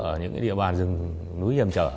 ở những cái địa bàn rừng núi hiểm trở